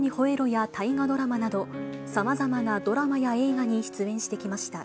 や大河ドラマなど、さまざまなドラマや映画に出演してきました。